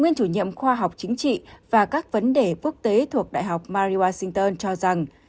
nguyên chủ nhiệm khoa học chính trị và các vấn đề quốc tế thuộc đại học mari washington cho rằng